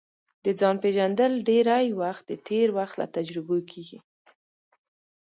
د ځان پېژندل ډېری وخت د تېر وخت له تجربو کیږي